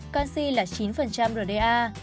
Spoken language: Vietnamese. canxi là chín rda